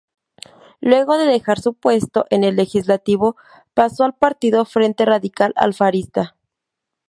Luego de dejar su puesto en el legislativo pasó al partido Frente Radical Alfarista.